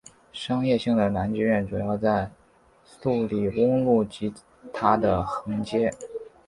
商业性的男妓院主要在素里翁路及它的横街。